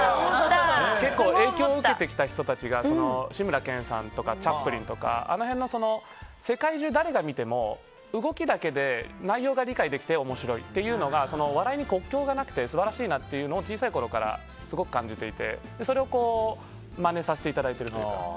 結構影響を受けてきた人たちが志村けんさんとかチャップリンとかあの辺の世界中、誰が見ても動きだけで内容が理解できて面白いというのが笑いに国境がなくて素晴らしいなっていうのを小さいころからすごく感じていてそれをまねさせていただいているというか。